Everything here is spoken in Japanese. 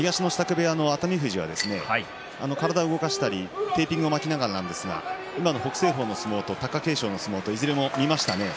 部屋の熱海富士は体を動かしたりテーピングを巻きながらなんですが今の北青鵬の相撲と貴景勝の相撲と見ましたね。